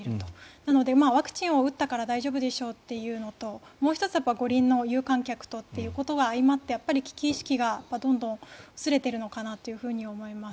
なのでワクチンを打ったから大丈夫でしょうというのともう１つ、五輪の有観客ということが相まって危機意識がどんどん薄れているのかなと思います。